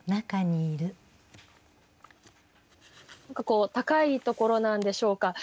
何かこう高いところなんでしょうか。